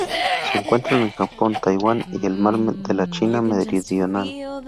Se encuentran en Japón, Taiwán y el Mar de la China Meridional.